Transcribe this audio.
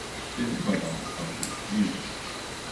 Der Übergang ist natürlich fließend.